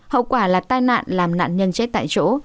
hậu quả là tai nạn làm nạn nhân chết tại chỗ